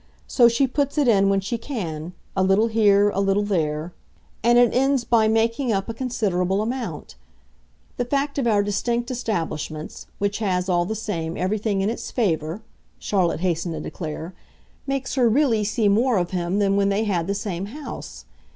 So she puts it in when she can a little here, a little there, and it ends by making up a considerable amount. The fact of our distinct establishments which has, all the same, everything in its favour," Charlotte hastened to declare, "makes her really see more of him than when they had the same house.